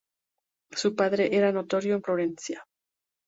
Su padre era notario en Florencia.